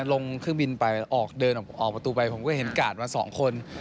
ลงเครื่องบินไปออกเดินออกประตูไปผมก็เห็นกาดมาสองคน